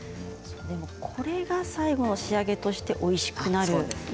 これが最後の仕上げとしておいしくなるんですね。